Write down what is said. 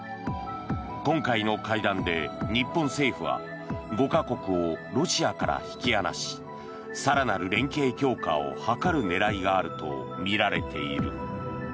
今回の会談で日本政府は５か国をロシアから引き離し更なる連携強化を図る狙いがあるとみられている。